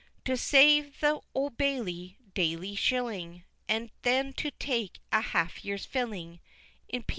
To save th' Old Bailey daily shilling, And then to take a half year's filling In P.N.'